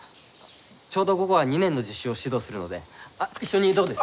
ちょうど午後は２年の実習を指導するのであ一緒にどうです？